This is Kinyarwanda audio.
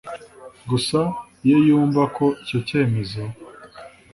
gusa iyo yumva ko icyo cyemezo